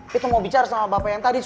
betah mau bicara sama bapak ini